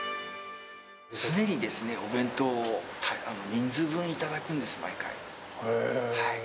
常にお弁当を人数分頂くんですよ、毎回。